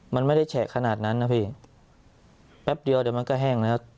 มันไม่ได้แฉะขนาดนั้นนะพี่แป๊บเดียวเดี๋ยวมันก็แห้งแล้ว